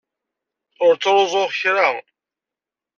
Ur ttruẓuɣ kra.